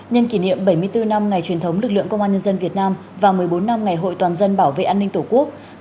nhân kỷ niệm bảy mươi bốn năm ngày truyền thống lực lượng công an nhân dân việt nam và một mươi bốn năm ngày hội toàn dân bảo vệ an ninh tổ quốc